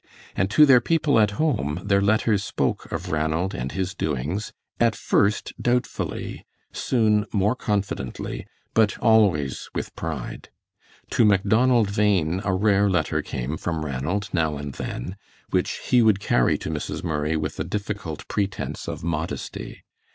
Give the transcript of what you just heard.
And to their people at home their letters spoke of Ranald and his doings at first doubtfully, soon more confidently, but always with pride. To Macdonald Bhain a rare letter came from Ranald now and then, which he would carry to Mrs. Murray with a difficult pretense of modesty.